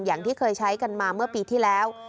อย่างที่เคยใช้กันมาเมื่อปีที่แล้ว